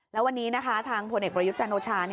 แล้ววันนี้นะคะทางพลเอกประยุทธ์จันโอชา